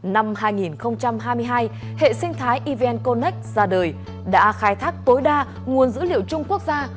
năm hai nghìn hai mươi hai hệ sinh thái evn connec ra đời đã khai thác tối đa nguồn dữ liệu chung quốc gia